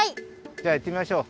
じゃあいってみましょう。